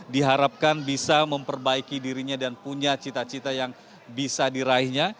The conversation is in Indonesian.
diharapkan bisa memperbaiki dirinya dan punya cita cita yang bisa diraihnya